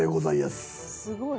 「すごい！」